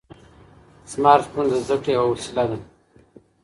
سمارټ فون د زده کړې یوه وسیله ده.